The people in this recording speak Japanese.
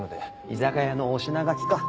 居酒屋のお品書きか。